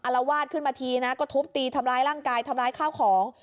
ละวาดขึ้นมาทีนะก็ทุบตีทำร้ายร่างกายทำร้ายข้าวของ